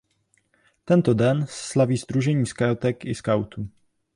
Tento den slaví sdružení skautek i skautů.